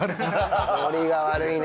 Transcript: ノリが悪いな。